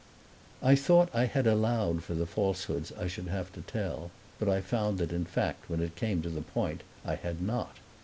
I thought I had allowed for the falsehoods I should have to tell; but I found that in fact when it came to the point I had not.